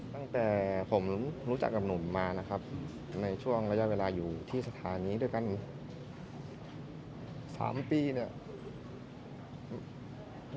ตั้งแต่ผมรู้จักกับหนุ่มมานะครับในช่วงระยะเวลาอยู่ที่สถานีด้วยกัน๓ปีเนี่ย